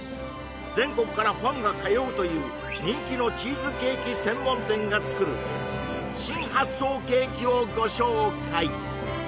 全国からファンが通うという人気のチーズケーキ専門店が作る新発想ケーキをご紹介！